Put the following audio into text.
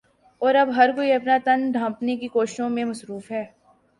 اور اب ہر کوئی اپنا تن ڈھانپٹنے کی کوششوں میں مصروف ہے